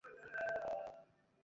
অনেক সুন্দর বাড়ি।